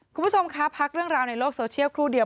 คุณผู้ชมคะพักเรื่องราวในโลกโซเชียลครู่เดียว